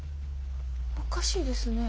おかしいですね。